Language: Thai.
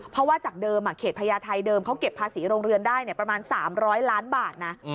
เพราะว่าจากเดิมเขตพญาไทยเดิมเขาเก็บภาษีโรงเรือนได้ประมาณ๓๐๐ล้านบาทนะ